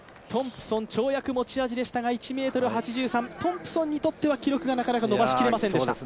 跳躍、持ち味でしたが１ｍ８３、トンプソンにとっては記録がなかなか伸ばしきれませんでした。